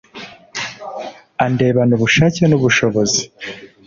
andebana ubushake nubushobozi